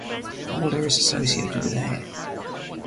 Alder is associated with air.